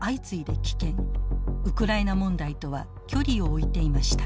ウクライナ問題とは距離を置いていました。